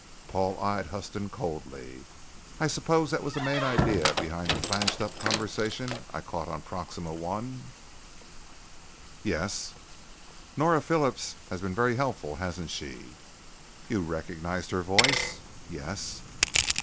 Paul eyed Huston coldly. "I suppose that was the main idea behind that flanged up conversation I caught on Proxima I?" "Yes." "Nora Phillips has been very helpful, hasn't she?" "You recognized her voice?" "Yes."